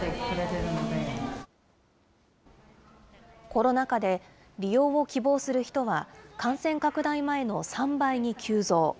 コロナ禍で利用を希望する人は、感染拡大前の３倍に急増。